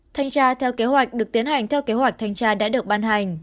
thanh tra theo kế hoạch được tiến hành theo kế hoạch thanh tra đã được ban hành